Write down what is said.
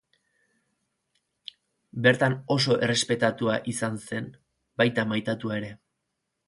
Bertan oso errespetatua izan zen, baita maitatua ere.